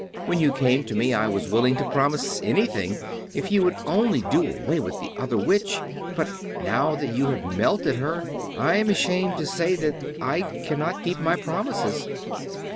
When you came to me, I was willing to promise anything if you would only do away with the other Witch; but, now that you have melted her, I am ashamed to say that I cannot keep my promises."